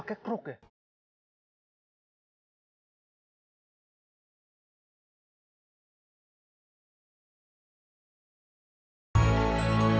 kakak afif bakal kerug